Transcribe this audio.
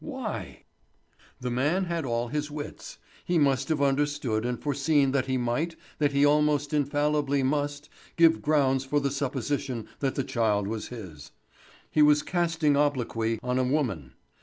Why? The man had all his wits; he must have understood and foreseen that he might, that he almost infallibly must, give grounds for the supposition that the child was his. He was casting obloquy on a woman.